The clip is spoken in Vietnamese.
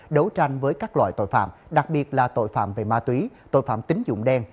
đấu tranh với các loại tội phạm đặc biệt là tội phạm về ma túy tội phạm tính dụng đen